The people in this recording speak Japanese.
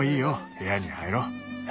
部屋に入ろう。